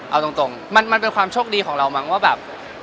เอาตรงมันเป็นความโชคดีของเรามั้งว่าแบบ